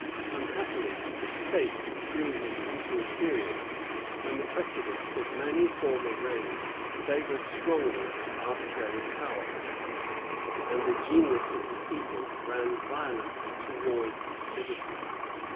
Unhappily, his fate threw him into a period, when the precedents of many former reigns savored strongly of arbitrary power, and the genius of the people ran violently towards liberty.